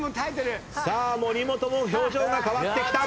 さあ森本も表情が変わってきた。